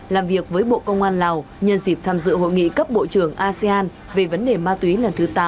làm việc với bộ công an lào nhân dịp tham dự hội nghị cấp bộ trưởng asean về vấn đề ma túy lần thứ tám